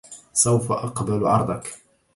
سوف اقبل عرضك